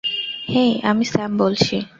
হেই, আমি স্যাম বলছি!